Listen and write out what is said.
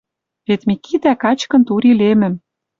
Вет Микитӓ качкын тури лемӹм